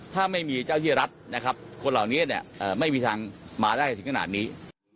ถ้าไม่มีเจ้าที่รัฐคนเหล่านี้ไม่มีทางมาได้ถึงขนาดนี้